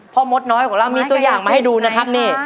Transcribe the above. มดน้อยของเรามีตัวอย่างมาให้ดูนะครับนี่